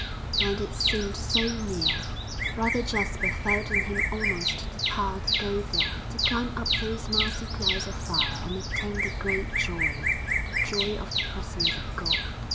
And it seemed so near! Brother Jasper felt in him almost the power to go there, to climb up those massy clouds of fire and attain the great joy the joy of the presence of God.